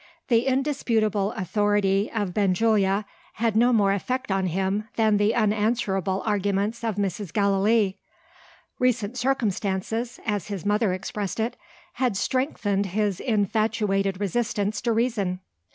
The indisputable authority of Benjulia had no more effect on him than the unanswerable arguments of Mrs. Gallilee. "Recent circumstances" (as his mother expressed it) "had strengthened his infatuated resistance to reason."